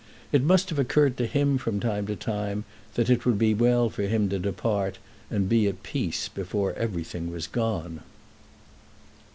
It must have occurred to him, from time to time, that it would be well for him to depart and be at peace before everything was gone.